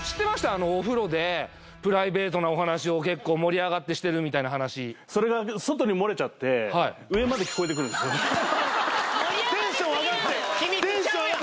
あのお風呂でプライベートなお話を結構盛り上がってしてるみたいな話それがテンションあがって秘密ちゃうやん